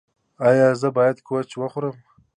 ایا زه باید کوچ وخورم؟